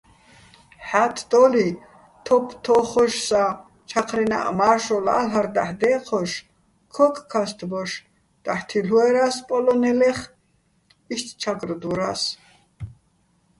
ჰ̦ა́თდოლიჼ თოფთო́ხოშსაჼ ჩაჴრენაჸ მა́რშოლალ'არ დაჰ̦ დე́ჴოშ, ქოკქასტბოშ დაჰ̦ თილ'უერა́ს პოლო́ნელეხ, იშტ "ჩა́გროდვორას".